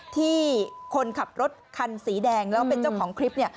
ที่คนขับรถคันสีแดงแล้วเป็นเจ้าของคลิปเนี่ย